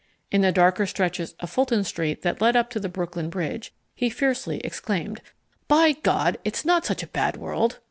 In the darker stretches of Fulton Street that lead up to the Brooklyn Bridge he fiercely exclaimed: "By God, it's not such a bad world."